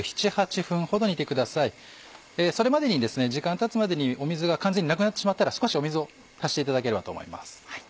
それまでにですね時間がたつまでに水が完全になくなってしまったら少し水を足していただければと思います。